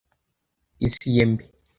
Isi ye mbi.